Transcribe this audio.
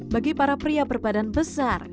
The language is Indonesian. bagi para pria berbadan besar